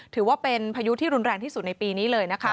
ถือว่าเป็นพายุที่รุนแรงที่สุดในปีนี้เลยนะคะ